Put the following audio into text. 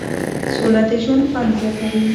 سوله د ژوند خوند زیاتوي.